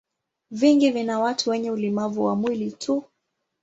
Vingi vina watu wenye ulemavu wa mwili tu.